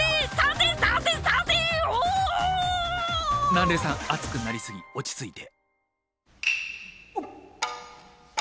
南鈴さん熱くなりすぎ落ち着いて。